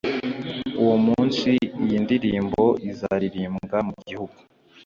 Uwo munsi iyi ndirimbo izaririmbirwa mu gihugu